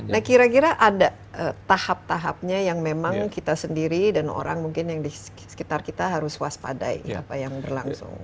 nah kira kira ada tahap tahapnya yang memang kita sendiri dan orang mungkin yang di sekitar kita harus waspadai apa yang berlangsung